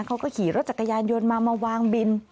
เขาก็ขี่รถจักรยานยนต์มามาวางบิน